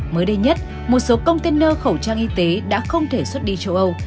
mới đây nhất một số container khẩu trang y tế đã không thể xuất đi châu âu